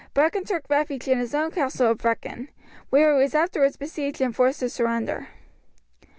Brechin took refuge in his own castle of Brechin, where he was afterwards besieged and forced to surrender.